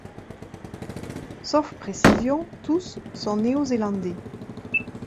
Sauf précision, tous sont néo-zélandais.